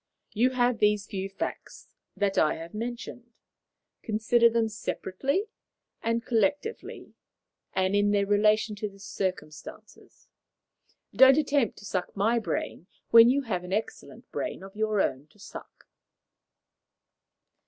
You have these few facts that I have mentioned. Consider them separately and collectively, and in their relation to the circumstances. Don't attempt to suck my brain when you have an excellent brain of your own to suck."